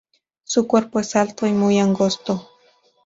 Su cuerpo es alto y muy angosto.